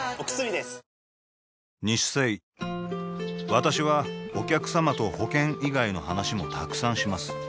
私はお客様と保険以外の話もたくさんします